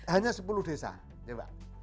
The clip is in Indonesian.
hanya sepuluh desa ya mbak